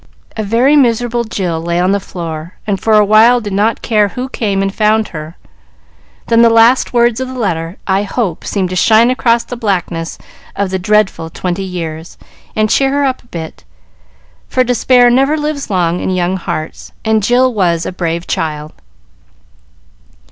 A very miserable Jill lay on the floor, and for a while did not care who came and found her; then the last words of the letter "I hope" seemed to shine across the blackness of the dreadful "twenty years" and cheer her up a bit, for despair never lives long in young hearts, and Jill was a brave child.